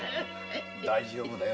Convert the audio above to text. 大丈夫だよ。